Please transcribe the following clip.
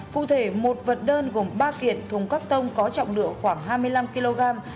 cụ thể một vật đơn gồm ba kiệt thùng cắt tông có trọng lượng khoảng hai mươi năm kg